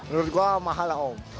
menurut gue mahal lah om